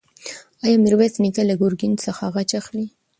ایا میرویس نیکه له ګرګین څخه غچ اخلي؟